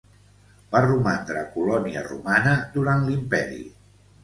Va romandre colònia romana durant l'imperi.